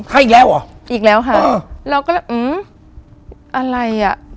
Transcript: ใครอีกแล้วอ่ะอีกแล้วค่ะอืมเราก็เลยอืมอะไรอ่ะ